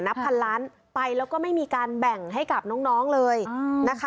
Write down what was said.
นับพันล้านไปแล้วก็ไม่มีการแบ่งให้กับน้องเลยนะคะ